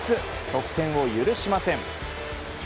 得点を許しません。